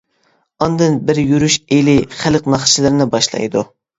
ئاندىن بىر يۈرۈش ئىلى خەلق ناخشىلىرىنى باشلايدۇ.